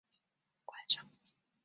也有人种来观赏。